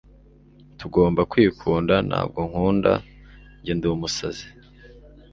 tugomba kwikunda. ntabwo nkunda. njye ndumusazi